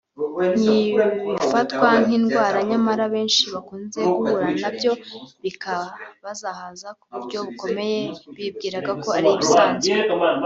ntibifatwa nk’indwara nyamara benshi bakunze guhura nabyo bikabazahaza ku buryo bukomeye bibwiraga ko ari ibisanzwe